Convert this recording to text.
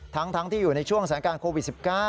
ทั้งที่อยู่ในช่วงสถานการณ์โควิด๑๙